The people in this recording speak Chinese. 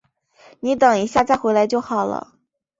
你等一下再回来就好了